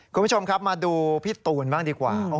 คุณผู้ชมครับมาดูพี่ตูนบ้างดีกว่า